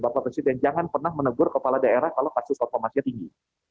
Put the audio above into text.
bapak presiden jangan pernah menegur kepala daerah kalau kasus reformasinya tinggi